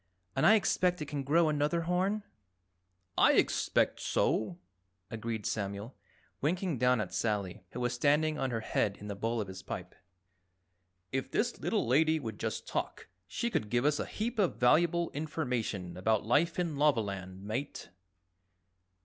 And I expect it can grow another horn?" "I expect so," agreed Samuel, winking down at Sally, who was standing on her head in the bowl of his pipe. "If this little Lady would just talk, she could give us a heap of valuable information about life in Lavaland, Mate."